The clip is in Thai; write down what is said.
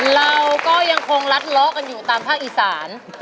เราก็ยังคงรัดเลาะกันอยู่ตามภาคอีสาน